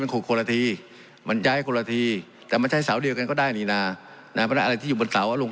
เพราะมันก็มีเท่านี้นะเพราะมันก็มีเท่านี้นะเพราะมันก็มีเท่านี้นะ